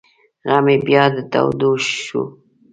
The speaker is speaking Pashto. غم یې بیا تود شو.